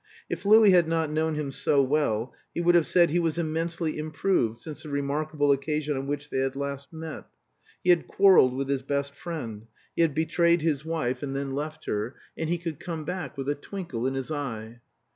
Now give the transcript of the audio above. If Louis had not known him so well, he would have said he was immensely improved since the remarkable occasion on which they had last met. He had quarreled with his best friend; he had betrayed his wife and then left her; and he could come back with a twinkle in his eye.